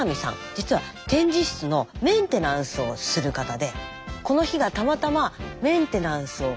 実は展示室のメンテナンスをする方でこの日がたまたまメンテナンスをする日だった。